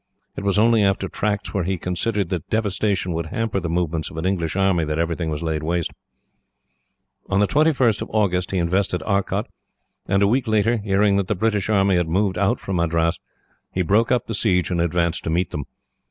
It was only over tracts where he considered that devastation would hamper the movements of an English army, that everything was laid waste. "On the 21st of August he invested Arcot, and a week later, hearing that the British army had moved out from Madras, he broke up the siege and advanced to meet them.